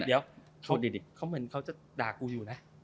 เดี๋ยวเขาเหมือนจะด่ากูอยู่นะ